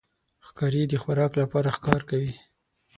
ښکاري د خوراک لپاره ښکار کوي.